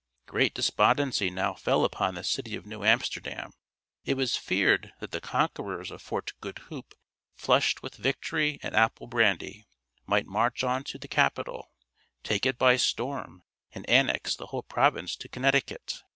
Great despondency now fell upon the city of New Amsterdam. It was feared that the conquerors of Fort Goed Hoop, flushed with victory and apple brandy, might march on to the capital, take it by storm, and annex the whole province to Connecticut.